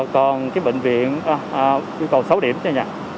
còn cái bệnh viện yêu cầu sáu điểm nha